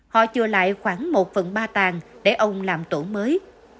họ chừa lại khoảng một phần ba tàn để ông làm tổ mới